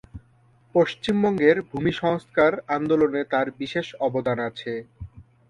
পশ্চিমবঙ্গের ভূমি সংস্কার আন্দোলনে তাঁর বিশেষ অবদান আছে।